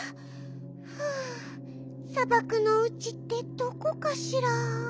はあさばくのうちってどこかしら？